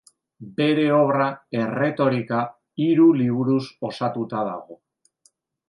Bere obra, erretorika, hiru liburuz osatuta dago.